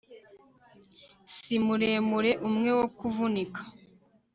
si muremure umwe wo kuvunika